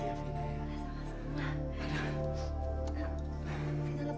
apalah dirinya betul